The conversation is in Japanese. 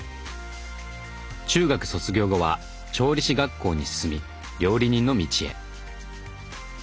中学卒業後は調理師学校に進み料理人の道へ。